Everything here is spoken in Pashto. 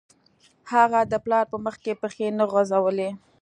هغه د پلار په مخکې پښې نه غځولې